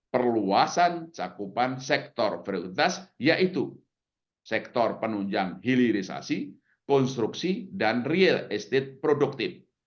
perluasan cakupan sektor prioritas yaitu sektor penunjang hilirisasi konstruksi dan real estate productive